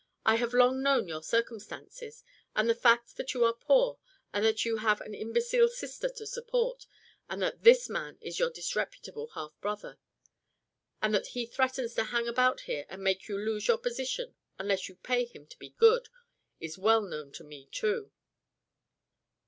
I have long known your circumstances, and the fact that you are poor, and that you have an imbecile sister to support, and that this man is your disreputable half brother. And that he threatens to hang about here and make you lose your position unless you pay him to be good, is well known to me, too.